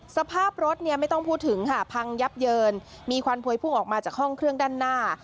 สภาพรถเนี่ยไม่ต้องพูดถึงค่ะพังยับเยินมีควันพวยพุ่งออกมาจากห้องเครื่องด้านหน้า